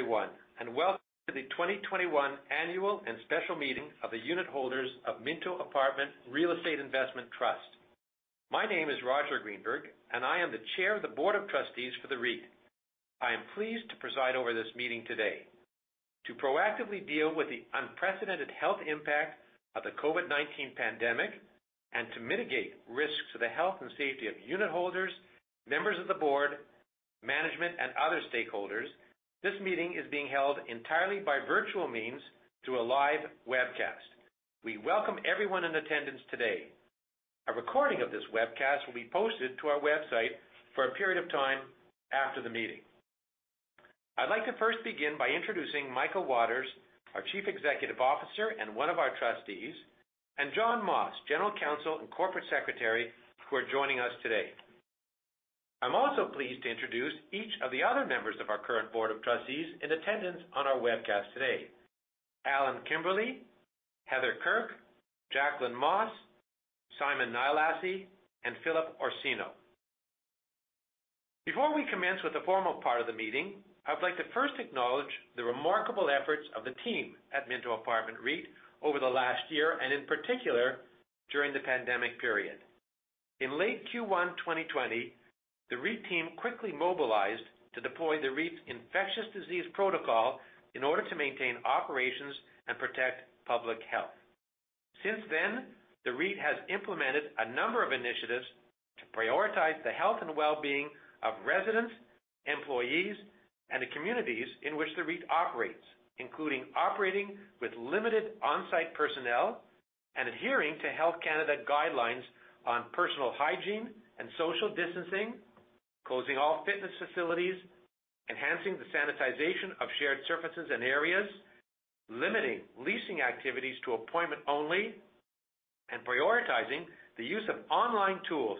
Good morning, everyone, and welcome to the 2021 Annual and Special Meeting of the unitholders of Minto Apartment Real Estate Investment Trust. My name is Roger Greenberg, and I am the Chair of the Board of Trustees for the REIT. I am pleased to preside over this meeting today. To proactively deal with the unprecedented health impact of the COVID-19 pandemic and to mitigate risks to the health and safety of unitholders, members of the Board, management, and other stakeholders, this meeting is being held entirely by virtual means through a live webcast. We welcome everyone in attendance today. A recording of this webcast will be posted to our website for a period of time after the meeting. I'd like to first begin by introducing Michael Waters, our Chief Executive Officer and one of our Trustees, and John Moss, General Counsel and Corporate Secretary, who are joining us today. I'm also pleased to introduce each of the other members of our current board of trustees in attendance on our webcast today. Allan Kimberley, Heather Kirk, Jacqueline Moss, Simon Nyilassy, and Philip Orsino. Before we commence with the formal part of the meeting, I'd like to first acknowledge the remarkable efforts of the team at Minto Apartment REIT over the last year and, in particular, during the pandemic period. In late Q1 2020, the REIT team quickly mobilized to deploy the REIT's infectious disease protocol in order to maintain operations and protect public health. Since then, the REIT has implemented a number of initiatives to prioritize the health and well-being of residents, employees, and the communities in which the REIT operates, including operating with limited on-site personnel and adhering to Health Canada guidelines on personal hygiene and social distancing, closing all fitness facilities, enhancing the sanitization of shared surfaces and areas, limiting leasing activities to appointment only, and prioritizing the use of online tools,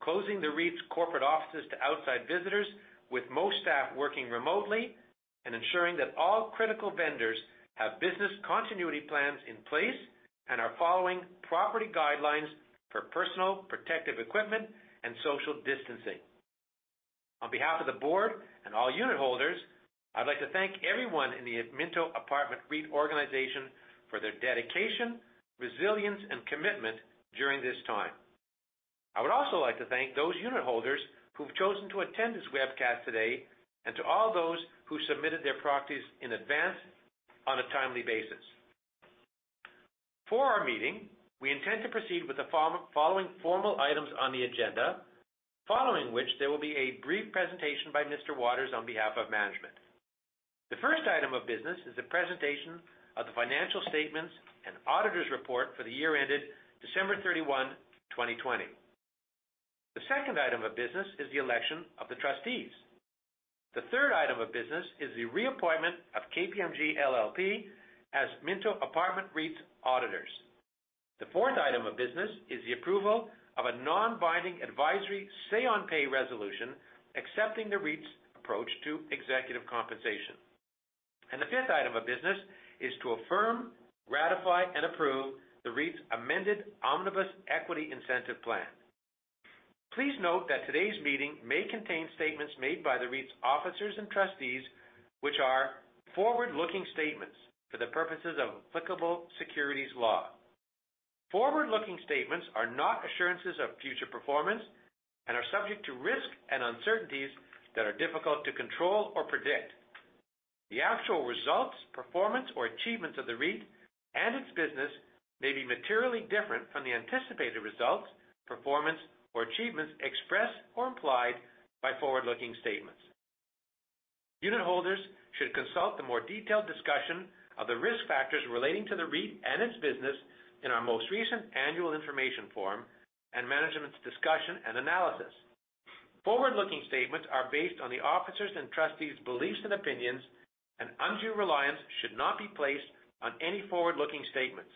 closing the REIT's corporate offices to outside visitors, with most staff working remotely, and ensuring that all critical vendors have business continuity plans in place and are following property guidelines for personal protective equipment and social distancing. On behalf of the board and all unitholders, I'd like to thank everyone in the Minto Apartment REIT organization for their dedication, resilience, and commitment during this time. I would also like to thank those unitholders who've chosen to attend this webcast today and to all those who submitted their proxies in advance on a timely basis. For our meeting, we intend to proceed with the following formal items on the agenda, following which there will be a brief presentation by Mr. Waters on behalf of management. The first item of business is the presentation of the financial statements and auditor's report for the year ended December 31, 2020. The second item of business is the election of the trustees. The third item of business is the reappointment of KPMG LLP as Minto Apartment REIT's auditors. The fourth item of business is the approval of a non-binding advisory say-on-pay resolution accepting the REIT's approach to executive compensation. The fifth item of business is to affirm, ratify, and approve the REIT's amended omnibus equity incentive plan. Please note that today's meeting may contain statements made by the REIT's officers and Trustees, which are forward-looking statements for the purposes of applicable securities law. Forward-looking statements are not assurances of future performance and are subject to risks and uncertainties that are difficult to control or predict. The actual results, performance, or achievements of the REIT and its business may be materially different from the anticipated results, performance, or achievements expressed or implied by forward-looking statements. Unitholders should consult the more detailed discussion of the risk factors relating to the REIT and its business in our most recent annual information form and Management's Discussion and Analysis. Forward-looking statements are based on the officers' and Trustees' beliefs and opinions, undue reliance should not be placed on any forward-looking statements.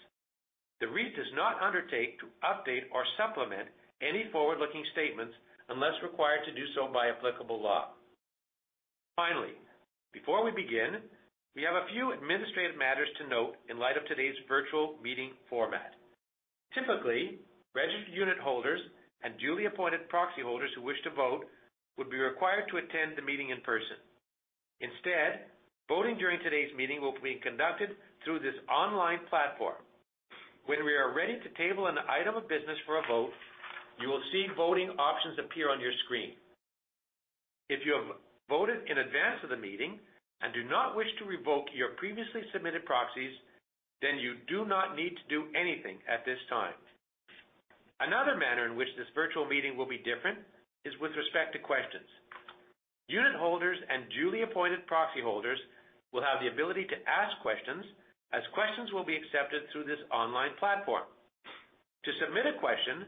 The REIT does not undertake to update or supplement any forward-looking statements unless required to do so by applicable law. Finally, before we begin, we have a few administrative matters to note in light of today's virtual meeting format. Typically, registered unitholders and duly appointed proxy holders who wish to vote would be required to attend the meeting in person. Instead, voting during today's meeting will be conducted through this online platform. When we are ready to table an item of business for a vote, you will see voting options appear on your screen. If you have voted in advance of the meeting and do not wish to revoke your previously submitted proxies, then you do not need to do anything at this time. Another manner in which this virtual meeting will be different is with respect to questions. Unitholders and duly appointed proxy holders will have the ability to ask questions, as questions will be accepted through this online platform. To submit a question,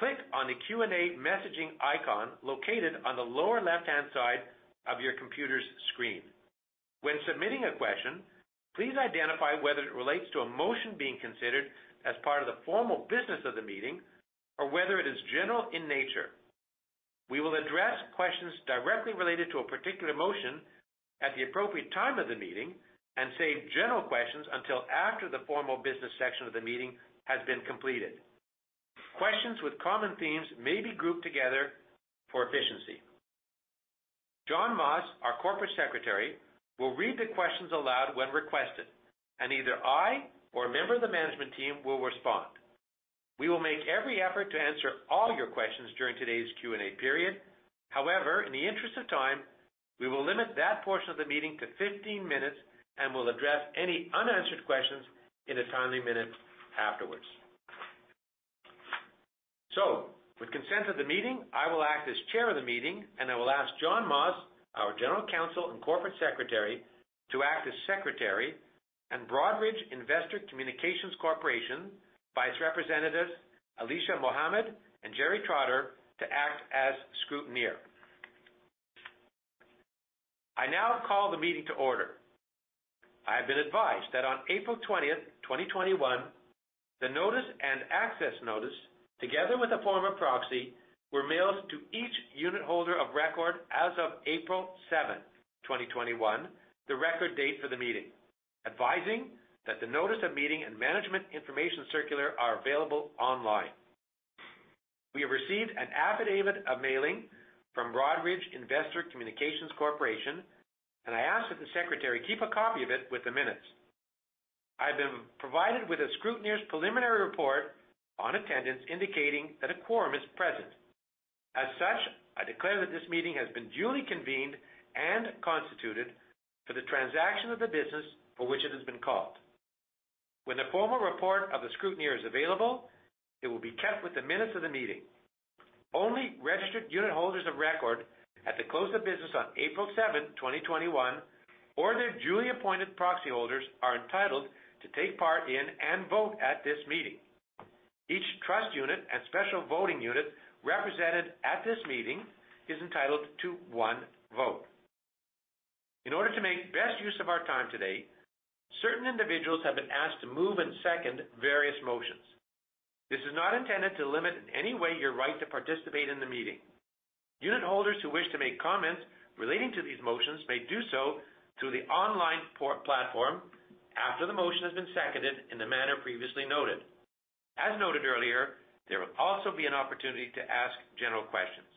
click on the Q&A messaging icon located on the lower left-hand side of your computer screen. When submitting a question, please identify whether it relates to a motion being considered as part of the formal business of the meeting or whether it is general in nature. We will address questions directly related to a particular motion at the appropriate time of the meeting and save general questions until after the formal business section of the meeting has been completed. Questions with common themes may be grouped together for efficiency. John Moss, our Corporate Secretary, will read the questions aloud when requested, and either I or a member of the management team will respond. We will make every effort to answer all your questions during today's Q&A period. In the interest of time, we will limit that portion of the meeting to 15 minutes and will address any unanswered questions in a timely minute afterwards. With consent of the meeting, I will act as Chair of the meeting, and I will ask John Moss, our General Counsel and Corporate Secretary, to act as Secretary and Broadridge Investor Communications Corporation, by its representatives, Alicia Mohammed and Jerry Trotter, to act as scrutineer. I now call the meeting to order. I have been advised that on April 20th, 2021, the notice and access notice, together with a form of proxy, were mailed to each unit holder of record as of April 7th, 2021, the record date for the meeting, advising that the notice of meeting and management information circular are available online. We have received an affidavit of mailing from Broadridge Investor Communications Corporation. I ask that the secretary keep a copy of it with the minutes. I have been provided with a scrutineer's preliminary report on attendance, indicating that a quorum is present. I declare that this meeting has been duly convened and constituted for the transaction of the business for which it has been called. When the formal report of the scrutineer is available, it will be kept with the minutes of the meeting. Only registered unit holders of record at the close of business on April 7th, 2021, or their duly appointed proxy holders are entitled to take part in and vote at this meeting. Each trust unit and special voting unit represented at this meeting is entitled to one vote. In order to make best use of our time today, certain individuals have been asked to move and second various motions. This is not intended to limit in any way your right to participate in the meeting. Unit holders who wish to make comments relating to these motions may do so through the online platform after the motion has been seconded in the manner previously noted. As noted earlier, there will also be an opportunity to ask general questions.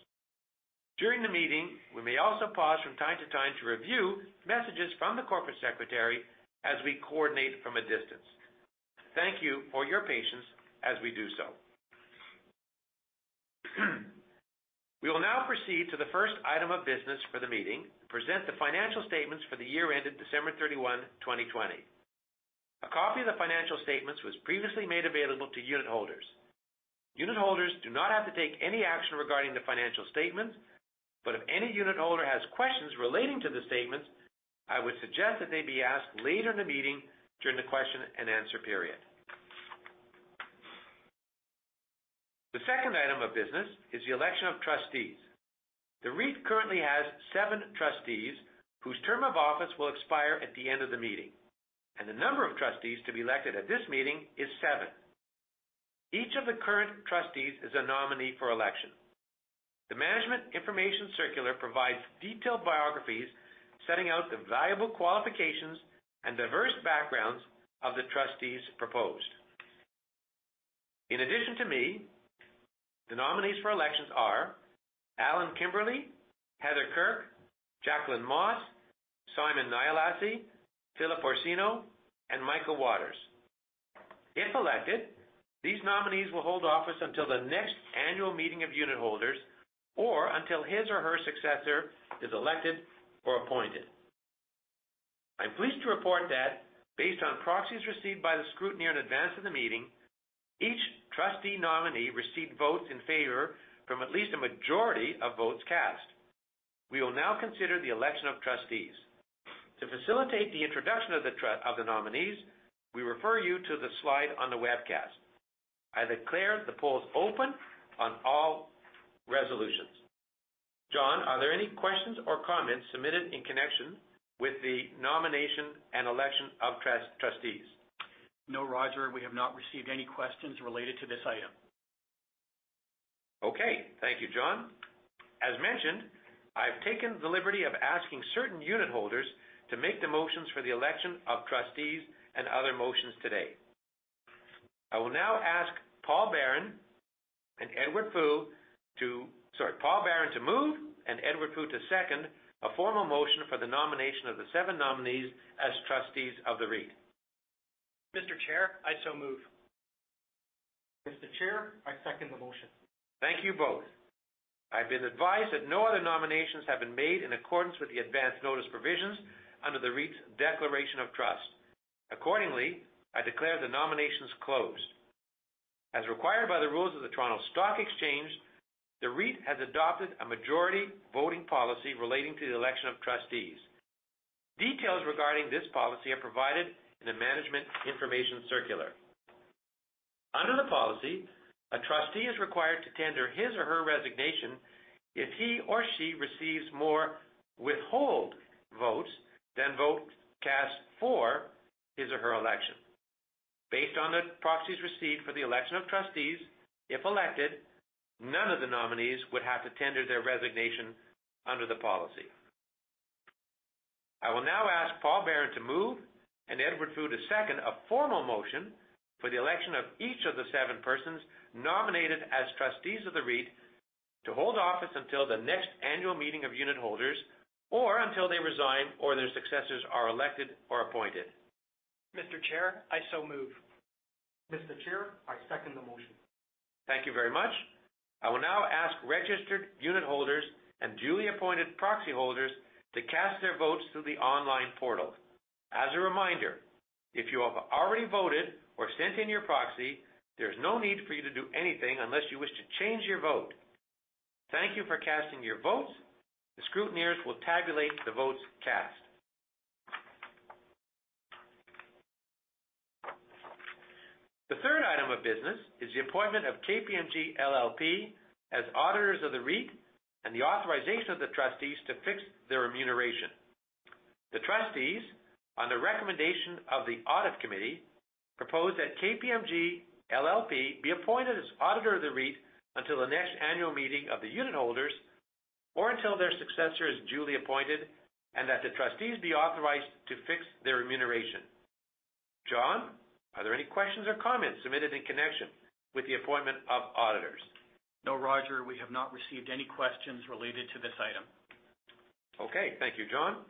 During the meeting, we may also pause from time to time to review messages from the corporate secretary as we coordinate from a distance. Thank you for your patience as we do so. We will now proceed to the first item of business for the meeting, present the financial statements for the year ended December 31, 2020. A copy of the financial statements was previously made available to Unit holders. Unit holders do not have to take any action regarding the financial statements, but if any unit holder has questions relating to the statements, I would suggest that they be asked later in the meeting during the question-and-answer period. The second item of business is the election of trustees. The REIT currently has seven trustees whose term of office will expire at the end of the meeting, and the number of trustees to be elected at this meeting is seven. Each of the current trustees is a nominee for election. The management information circular provides detailed biographies setting out the valuable qualifications and diverse backgrounds of the trustees proposed. In addition to me, the nominees for elections are Allan Kimberley, Heather Kirk, Jacqueline Moss, Simon Nyilassy, Philip Orsino, and Michael Waters. If elected, these nominees will hold office until the next annual meeting of unit holders or until his or her successor is elected or appointed. I'm pleased to report that based on proxies received by the scrutineer in advance of the meeting, each trustee nominee received votes in favor from at least a majority of votes cast. We will now consider the election of trustees. To facilitate the introduction of the nominees, we refer you to the slide on the webcast. I declare the polls open on all resolutions. John, are there any questions or comments submitted in connection with the nomination and election of trustees? No, Roger, we have not received any questions related to this item. Okay. Thank you, John. As mentioned, I've taken the liberty of asking certain unit holders to make the motions for the election of trustees and other motions today. I will now ask Paul Baron and Edward Fu, sorry, Paul Baron to move and Edward Fu to second a formal motion for the nomination of the seven nominees as trustees of the REIT. Mr. Chair, I so move. Mr. Chair, I second the motion. Thank you both. I've been advised that no other nominations have been made in accordance with the advance notice provisions under the REIT's declaration of trust. Accordingly, I declare the nominations closed. As required by the rules of the Toronto Stock Exchange, the REIT has adopted a majority voting policy relating to the election of trustees. Details regarding this policy are provided in a management information circular. Under the policy, a trustee is required to tender his or her resignation if he or she receives more withhold votes than votes cast for his or her election. Based on the proxies received for the election of trustees, if elected, none of the nominees would have to tender their resignation under the policy. I will now ask Paul Baron to move and Edward Fu to second a formal motion for the election of each of the seven persons nominated as trustees of the REIT to hold office until the next annual meeting of unitholders, or until they resign or their successors are elected or appointed. Mr. Chair, I so move. Mr. Chair, I second the motion. Thank you very much. I will now ask registered unitholders and duly appointed proxyholders to cast their votes through the online portal. As a reminder, if you have already voted or sent in your proxy, there's no need for you to do anything unless you wish to change your vote. Thank you for casting your votes. The scrutineers will tabulate the votes cast. The third item of business is the appointment of KPMG LLP as auditors of the REIT and the authorization of the trustees to fix their remuneration. The trustees, on the recommendation of the audit committee, propose that KPMG LLP be appointed as auditor of the REIT until the next annual meeting of the unitholders or until their successor is duly appointed, and that the trustees be authorized to fix their remuneration. John, are there any questions or comments submitted in connection with the appointment of auditors? No, Roger, we have not received any questions related to this item. Okay. Thank you, John.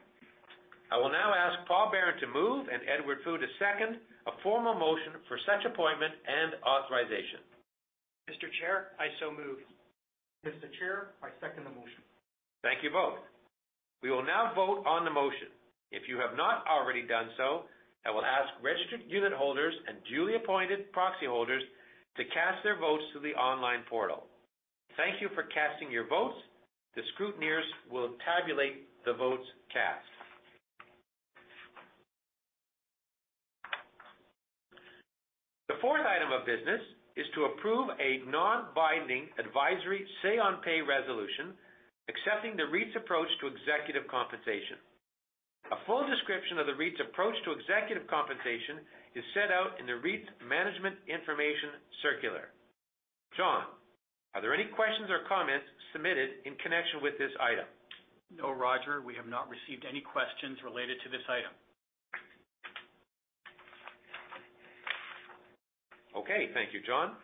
I will now ask Paul Baron to move and Edward Fu to second a formal motion for such appointment and authorization. Mr. Chair, I so move. Mr. Chair, I second the motion. Thank you both. We will now vote on the motion. If you have not already done so, I will ask registered unitholders and duly appointed proxyholders to cast their votes through the online portal. Thank you for casting your votes. The scrutineers will tabulate the votes cast. The fourth item of business is to approve a non-binding advisory say-on-pay resolution accepting the REIT's approach to executive compensation. A full description of the REIT's approach to executive compensation is set out in the REIT's management information circular. John, are there any questions or comments submitted in connection with this item? No, Roger, we have not received any questions related to this item. Okay. Thank you, John.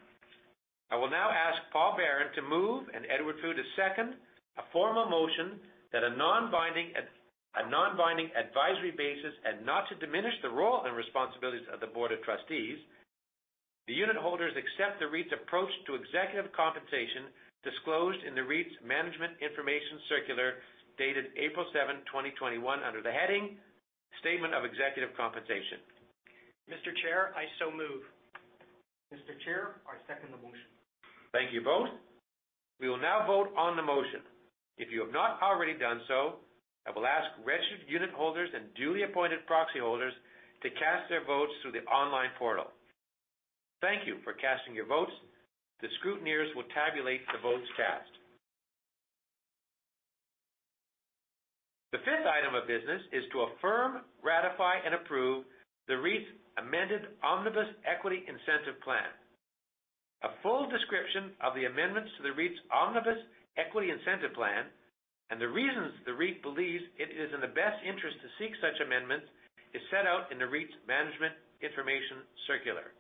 I will now ask Paul Baron to move and Edward Fu to second a formal motion that a non-binding advisory basis and not to diminish the role and responsibilities of the Board of Trustees. The unitholders accept the REIT's approach to executive compensation disclosed in the REIT's management information circular dated April 7th, 2021, under the heading Statement of Executive Compensation. Mr. Chair, I so move. Mr. Chair, I second the motion. Thank you both. We will now vote on the motion. If you have not already done so, I will ask registered unitholders and duly appointed proxyholders to cast their votes through the online portal. Thank you for casting your votes. The scrutineers will tabulate the votes cast. The fifth item of business is to affirm, ratify, and approve the REIT's amended omnibus equity incentive plan. A full description of the amendments to the REIT's omnibus equity incentive plan and the reasons the REIT believes it is in the best interest to seek such amendments is set out in the REIT's management information circular.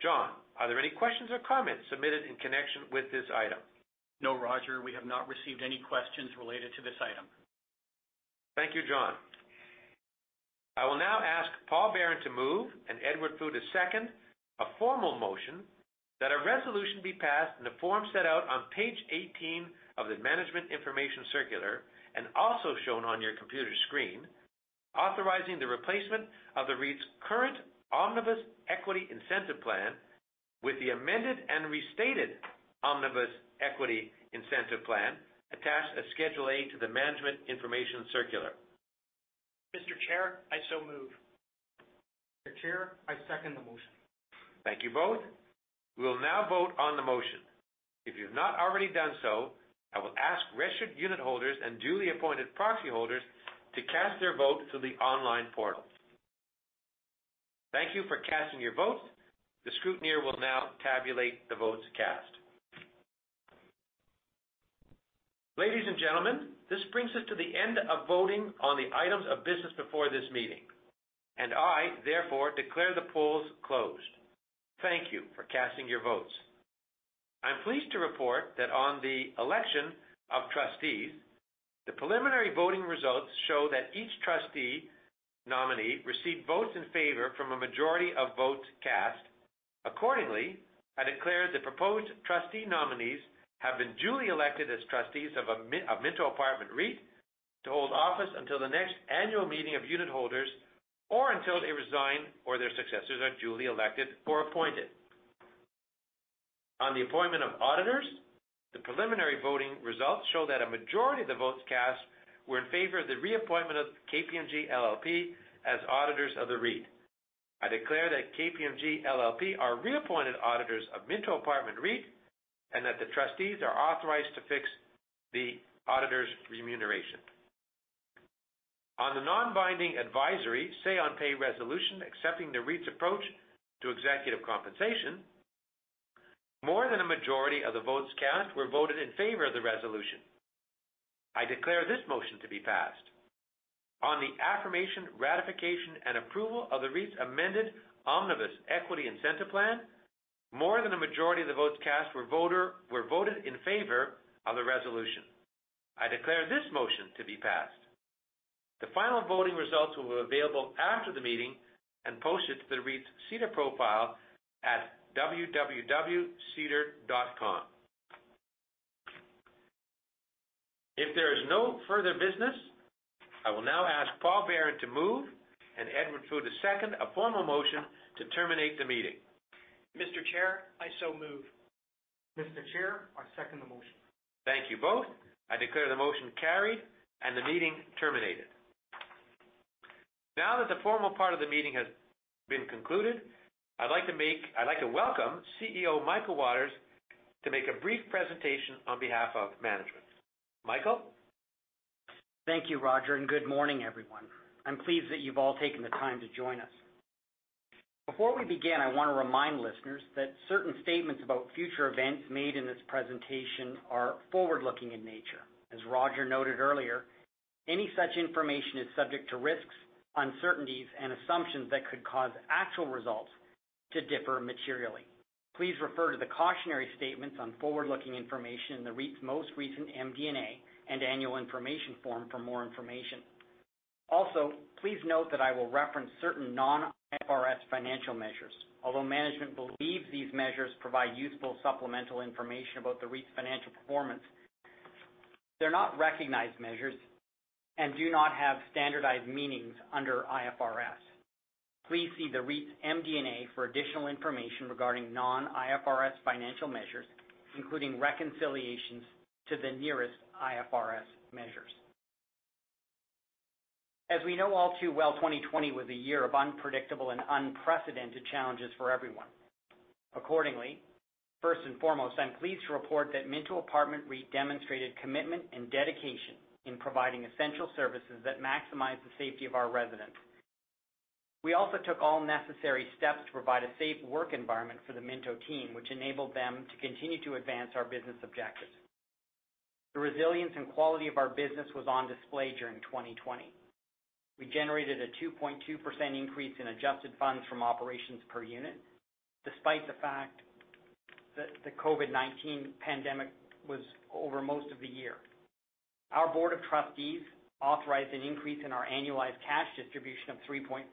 John, are there any questions or comments submitted in connection with this item? No, Roger, we have not received any questions related to this item. Thank you, John. I will now ask Paul Baron to move and Edward Fu to second a formal motion that a resolution be passed in the form set out on page 18 of the management information circular and also shown on your computer screen, authorizing the replacement of the REIT's current omnibus equity incentive plan with the amended and restated omnibus equity incentive plan attached as Schedule A to the management information circular. Mr. Chair, I so move. Mr. Chair, I second the motion. Thank you both. We will now vote on the motion. If you've not already done so, I will ask registered unitholders and duly appointed proxyholders to cast their vote through the online portal. Thank you for casting your vote. The scrutineer will now tabulate the votes cast. Ladies and gentlemen, this brings us to the end of voting on the items of business before this meeting. I, therefore, declare the polls closed. Thank you for casting your votes. I'm pleased to report that on the election of trustees, the preliminary voting results show that each trustee nominee received votes in favor from a majority of votes cast. Accordingly, I declare the proposed trustee nominees have been duly elected as trustees of Minto Apartment REIT to hold office until the next annual meeting of unitholders, or until they resign or their successors are duly elected or appointed. On the appointment of auditors, the preliminary voting results show that a majority of the votes cast were in favor of the reappointment of KPMG LLP as auditors of the REIT. I declare that KPMG LLP are reappointed auditors of Minto Apartment REIT and that the trustees are authorized to fix the auditor's remuneration. On the non-binding advisory say-on-pay resolution accepting the REIT's approach to executive compensation. More than a majority of the votes cast were voted in favor of the resolution. I declare this motion to be passed. On the affirmation, ratification, and approval of the REIT's amended omnibus equity incentive plan, more than a majority of the votes cast were voted in favor of the resolution. I declare this motion to be passed. The final voting results will be available after the meeting and posted to the REIT's SEDAR profile at www.sedar.com. If there is no further business, I will now ask Paul Baron to move and Edward Fu to second a formal motion to terminate the meeting. Mr. Chair, I so move. Mr. Chair, I second the motion. Thank you both. I declare the motion carried and the meeting terminated. Now that the formal part of the meeting has been concluded, I'd like to welcome CEO Michael Waters to make a brief presentation on behalf of management. Michael? Thank you, Roger. Good morning, everyone. I'm pleased that you've all taken the time to join us. Before we begin, I want to remind listeners that certain statements about future events made in this presentation are forward-looking in nature. As Roger noted earlier, any such information is subject to risks, uncertainties, and assumptions that could cause actual results to differ materially. Please refer to the cautionary statements on forward-looking information in the REIT's most recent MD&A and annual information form for more information. Please note that I will reference certain non-IFRS financial measures. Although management believes these measures provide useful supplemental information about the REIT's financial performance, they're not recognized measures and do not have standardized meanings under IFRS. Please see the REIT's MD&A for additional information regarding non-IFRS financial measures, including reconciliations to the nearest IFRS measures. As we know all too well, 2020 was a year of unpredictable and unprecedented challenges for everyone. Accordingly, first and foremost, I'm pleased to report that Minto Apartment REIT demonstrated commitment and dedication in providing essential services that maximize the safety of our residents. We also took all necessary steps to provide a safe work environment for the Minto team, which enabled them to continue to advance our business objectives. The resilience and quality of our business was on display during 2020. We generated a 2.2% increase in adjusted funds from operations per unit, despite the fact that the COVID-19 pandemic was over most of the year. Our board of trustees authorized an increase in our annualized cash distribution of 3.4%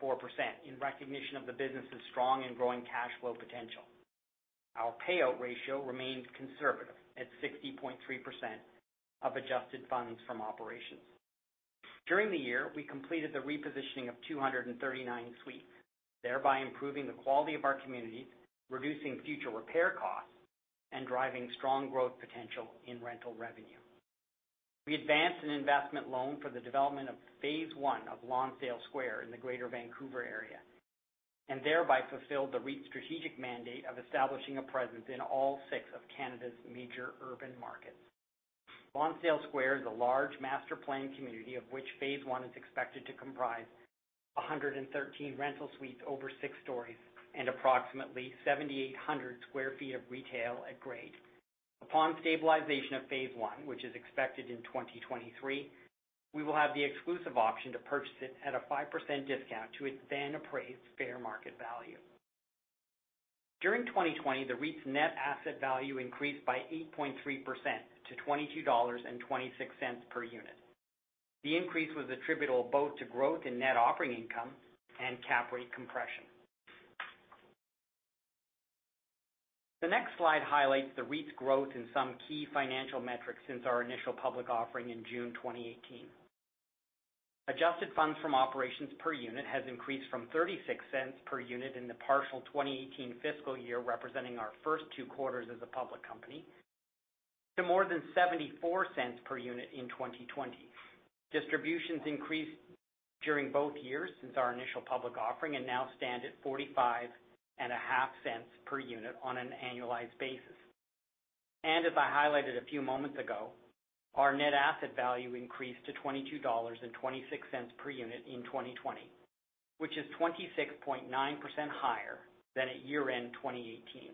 in recognition of the business's strong and growing cash flow potential. Our payout ratio remains conservative at 60.3% of adjusted funds from operations. During the year, we completed the repositioning of 239 suites, thereby improving the quality of our communities, reducing future repair costs, and driving strong growth potential in rental revenue. We advanced an investment loan for the development of phase I of Lonsdale Square in the Greater Vancouver area and thereby fulfilled the REIT's strategic mandate of establishing a presence in all six of Canada's major urban markets. Lonsdale Square is a large master planned community, of which phase I is expected to comprise 113 rental suites over six stories and approximately 7,800 sq ft of retail at grade. Upon stabilization of phase I, which is expected in 2023, we will have the exclusive option to purchase it at a 5% discount to its then appraised fair market value. During 2020, the REIT's net asset value increased by 8.3% to 22.26 dollars per unit. The increase was attributable both to growth in net operating income and cap rate compression. The next slide highlights the REIT's growth in some key financial metrics since our initial public offering in June 2018. Adjusted funds from operations per unit has increased from 0.36 per unit in the partial 2018 fiscal year, representing our first two quarters as a public company, to more than 0.74 per unit in 2020. Distributions increased during both years since our initial public offering and now stand at 45.5 per unit on an annualized basis. As I highlighted a few moments ago, our net asset value increased to 22.26 dollars per unit in 2020, which is 26.9% higher than at year-end 2018.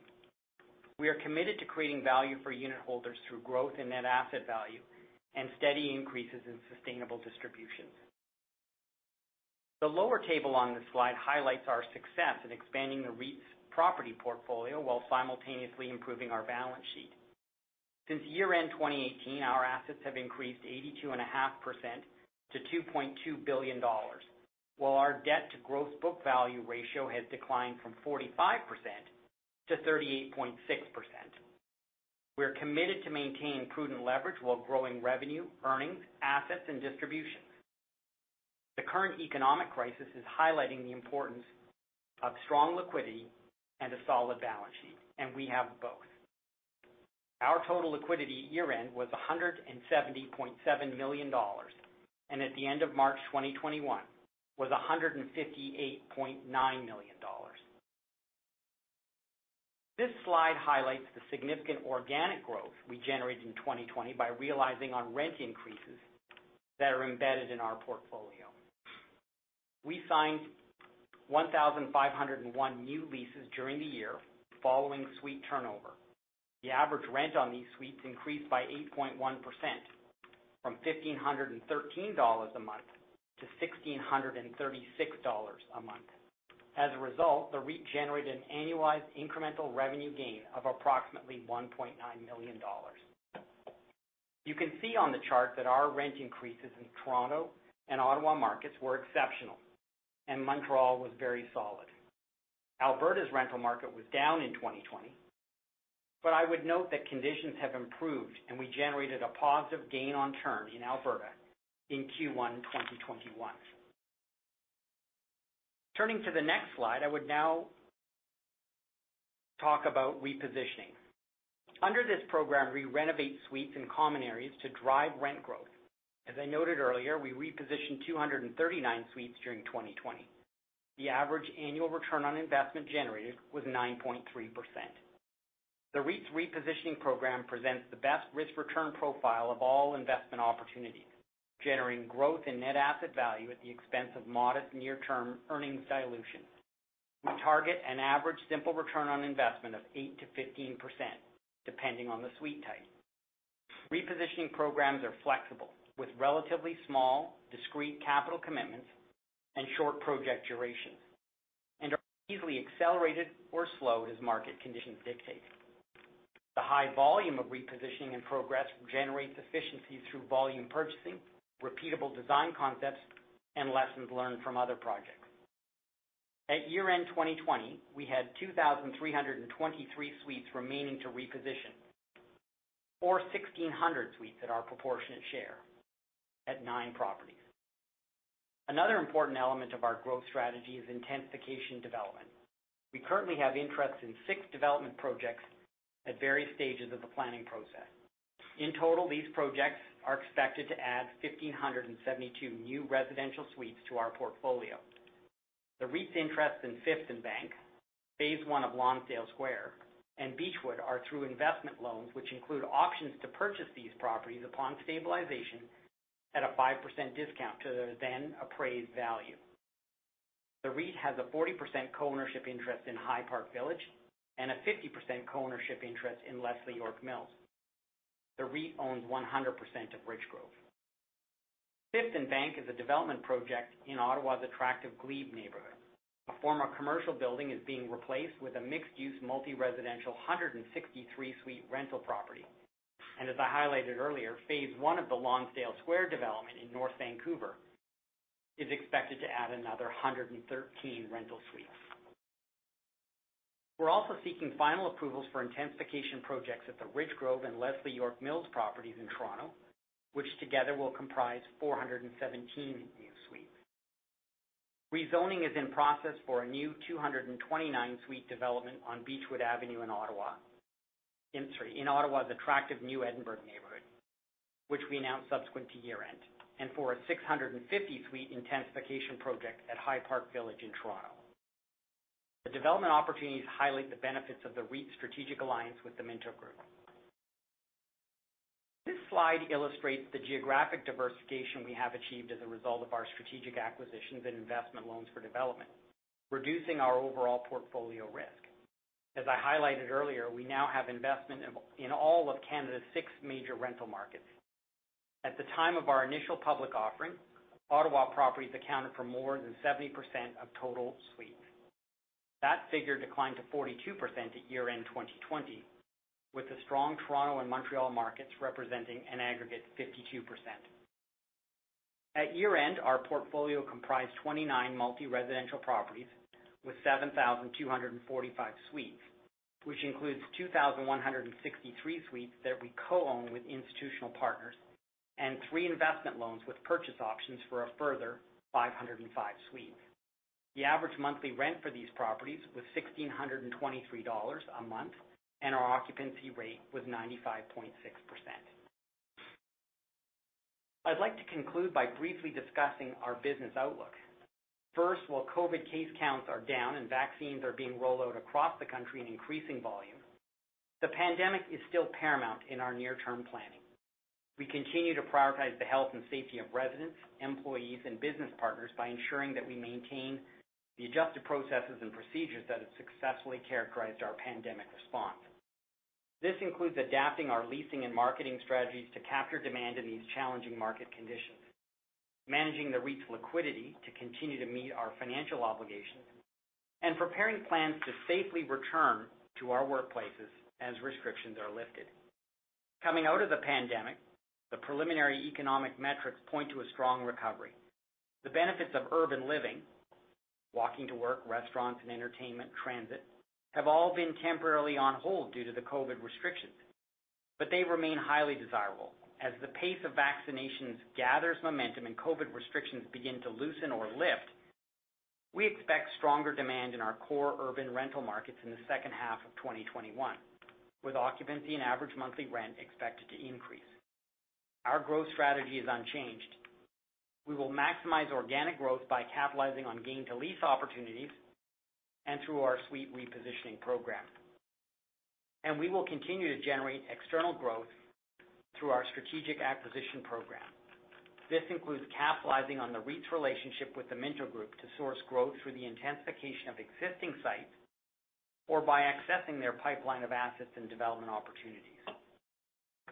We are committed to creating value for unitholders through growth in net asset value and steady increases in sustainable distributions. The lower table on this slide highlights our success in expanding the REIT's property portfolio while simultaneously improving our balance sheet. Since year-end 2018, our assets have increased 82.5% to 2.2 billion dollars, while our debt to gross book value ratio has declined from 45% to 38.6%. We are committed to maintain prudent leverage while growing revenue, earnings, assets, and distributions. The current economic crisis is highlighting the importance of strong liquidity and a solid balance sheet, and we have both. Our total liquidity at year-end was 170.7 million dollars, and at the end of March 2021 was 158.9 million dollars. This slide highlights the significant organic growth we generated in 2020 by realizing on rent increases that are embedded in our portfolio. We signed 1,501 new leases during the year following suite turnover. The average rent on these suites increased by 8.1%, from 1,513 dollars a month to 1,636 dollars a month. As a result, the REIT generated an annualized incremental revenue gain of approximately 1.9 million dollars. You can see on the chart that our rent increases in Toronto and Ottawa markets were exceptional, and Montreal was very solid. Alberta's rental market was down in 2020, but I would note that conditions have improved, and we generated a positive gain on terms in Alberta in Q1 2021. Turning to the next slide, I would now talk about repositioning. Under this program, we renovate suites and common areas to drive rent growth. As I noted earlier, we repositioned 239 suites during 2020. The average annual return on investment generated was 9.3%. The REIT's repositioning program presents the best risk-return profile of all investment opportunities, generating growth in net asset value at the expense of modest near-term earnings dilution. We target an average simple return on investment of 8%-15%, depending on the suite type. Repositioning programs are flexible, with relatively small, discrete capital commitments and short project durations, and are easily accelerated or slowed as market conditions dictate. The high volume of repositioning in progress generates efficiencies through volume purchasing, repeatable design concepts, and lessons learned from other projects. At year-end 2020, we had 2,323 suites remaining to reposition or 1,600 suites at our proportionate share at nine properties. Another important element of our growth strategy is intensification development. We currently have interest in six development projects at various stages of the planning process. In total, these projects are expected to add 1,572 new residential suites to our portfolio. The REIT's interest in Fifth + Bank, phase I of Lonsdale Square, and Beechwood are through investment loans, which include options to purchase these properties upon stabilization at a 5% discount to the then-appraised value. The REIT has a 40% co-ownership interest in High Park Village and a 50% co-ownership interest in Leslie York Mills. The REIT owns 100% of Richgrove. Fifth + Bank is a development project in Ottawa's attractive Glebe neighborhood. A former commercial building is being replaced with a mixed-use, multi-residential 163-suite rental property. As I highlighted earlier, phase I of the Lonsdale Square development in North Vancouver is expected to add another 113 rental suites. We're also seeking final approvals for intensification projects at the Richgrove and Leslie York Mills properties in Toronto, which together will comprise 417 new suites. Rezoning is in process for a new 229-suite development on Beechwood Avenue in Ottawa's attractive New Edinburgh neighborhood, which we announced subsequent to year-end, and for a 650-suite intensification project at High Park Village in Toronto. The development opportunities highlight the benefits of the REIT's strategic alliance with the Minto Group. This slide illustrates the geographic diversification we have achieved as a result of our strategic acquisitions and investment loans for development, reducing our overall portfolio risk. As I highlighted earlier, we now have investment in all of Canada's six major rental markets. At the time of our initial public offering, Ottawa properties accounted for more than 70% of total suites. That figure declined to 42% at year-end 2020, with the strong Toronto and Montreal markets representing an aggregate 52%. At year-end, our portfolio comprised 29 multi-residential properties with 7,245 suites, which includes 2,163 suites that we co-own with institutional partners and three investment loans with purchase options for a further 505 suites. The average monthly rent for these properties was 1,623 dollars a month, and our occupancy rate was 95.6%. I'd like to conclude by briefly discussing our business outlook. First, while COVID-19 case counts are down and vaccines are being rolled out across the country in increasing volume, the pandemic is still paramount in our near-term planning. We continue to prioritize the health and safety of residents, employees, and business partners by ensuring that we maintain the adjusted processes and procedures that have successfully characterized our pandemic response. This includes adapting our leasing and marketing strategies to capture demand in these challenging market conditions, managing the REIT's liquidity to continue to meet our financial obligations, and preparing plans to safely return to our workplaces as restrictions are lifted. Coming out of the pandemic, the preliminary economic metrics point to a strong recovery. The benefits of urban living, walking to work, restaurants and entertainment, transit, have all been temporarily on hold due to the COVID restrictions, but they remain highly desirable. As the pace of vaccinations gathers momentum and COVID restrictions begin to loosen or lift, we expect stronger demand in our core urban rental markets in the second half of 2021, with occupancy and average monthly rent expected to increase. Our growth strategy is unchanged. We will maximize organic growth by capitalizing on gain-to-lease opportunities and through our suite repositioning program, and we will continue to generate external growth through our strategic acquisition program. This includes capitalizing on the REIT's relationship with the Minto Group to source growth through the intensification of existing sites or by accessing their pipeline of assets and development opportunities.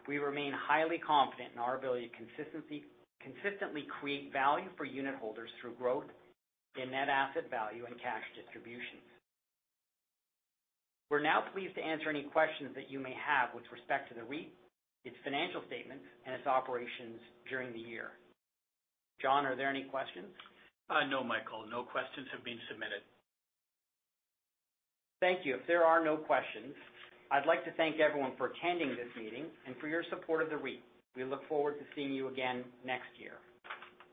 We remain highly confident in our ability to consistently create value for unitholders through growth in net asset value and cash distributions. We're now pleased to answer any questions that you may have with respect to the REIT, its financial statements, and its operations during the year. John, are there any questions? No, Michael. No questions have been submitted. Thank you. If there are no questions, I'd like to thank everyone for attending this meeting and for your support of the REIT. We look forward to seeing you again next year.